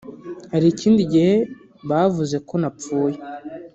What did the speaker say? hari ikindi gihe bavuze ko napfuye